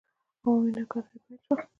عمومي ناکراري پیل شوه.